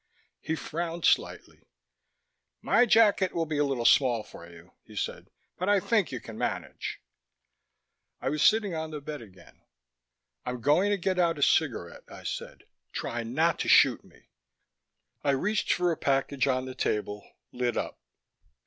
He frowned slightly. "My jacket will be a little small for you," he said. "But I think you can manage." I was sitting on the bed again. "I'm going to get out a cigarette," I said. "Try not to shoot me." I reached for a package on the table, lit up.